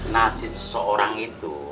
nasib seorang itu